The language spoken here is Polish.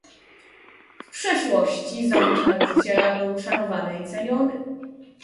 W przeszłości zawód nauczyciela był szanowany i ceniony